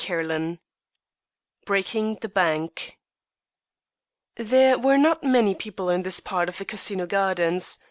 CHAPTER IX BREAKING THE BANK There were not many people in this part of the Casino gardens.